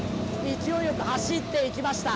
勢いよく走っていきました。